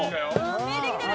見えてきてる。